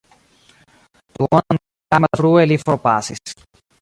Duonan jaron pli malfrue li forpasis.